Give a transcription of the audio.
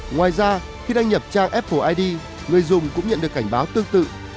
ngoài ra khi đăng nhập trang apple id người dùng cũng nhận được cảnh báo tương tự